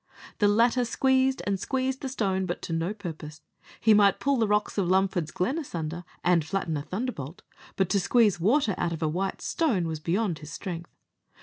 The latter squeezed and squeezed the stone, but to no purpose; he might pull the rocks of Lumford's Glen asunder, and flatten a thunderbolt, but to squeeze water out of a white stone was beyond his strength.